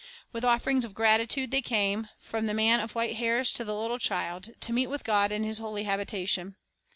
With offerings of gratitude they came, from the man of white hairs to the little child, to meet with God in His holy habitation.